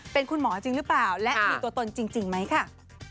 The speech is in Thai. เป็นคุณหมอจริงหรือเปล่าและมีตัวตนจริงไหมค่ะ